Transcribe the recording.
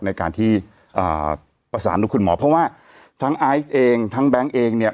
ในการที่ประสานดูคุณหมอเพราะว่าทั้งไอซ์เองทั้งแก๊งเองเนี่ย